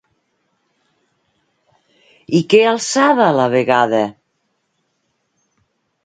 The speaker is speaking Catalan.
I què alçava a la vegada?